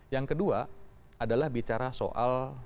yang kedua adalah bicara soal apa namanya ya